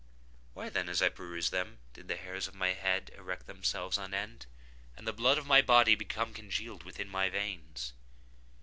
Why then, as I perused them, did the hairs of my head erect themselves on end, and the blood of my body become congealed within my veins?